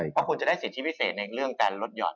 เพราะคุณจะได้สิทธิพิเศษในเรื่องการลดหย่อน